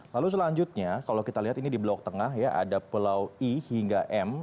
lalu selanjutnya kalau kita lihat ini di blok tengah ya ada pulau i hingga m